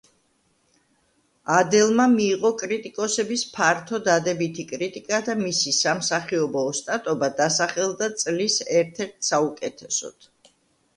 ადელმა მიიღო კრიტიკოსების ფართო დადებითი კრიტიკა და მისი სამსახიობო ოსტატობა დასახელდა წლის ერთ-ერთ საუკეთესოდ.